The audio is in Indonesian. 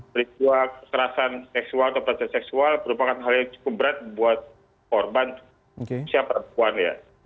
peristiwa kekerasan seksual atau pelecehan seksual merupakan hal yang cukup berat buat korban siapa perempuan ya